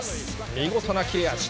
見事な切れ味。